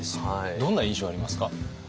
どんな印象ありますか？